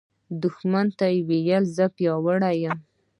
دښمن ته وایه “زه پیاوړی یم”